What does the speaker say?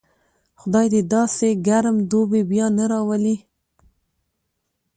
خدای دې داسې ګرم دوبی بیا نه راولي.